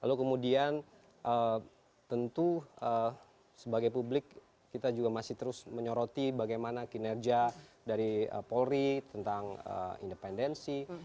lalu kemudian tentu sebagai publik kita juga masih terus menyoroti bagaimana kinerja dari polri tentang independensi